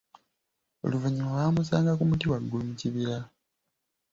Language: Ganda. Oluvanyuma baamusanga ku muti waggulu mu kibira.